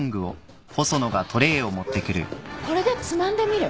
これでつまんでみる？